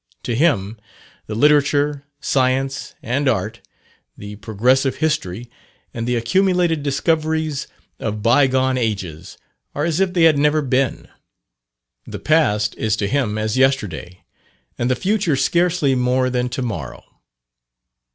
To him the literature, science, and art the progressive history, and the accumulated discoveries of bygone ages, are as if they had never been. The past is to him as yesterday, and the future scarcely more than to morrow.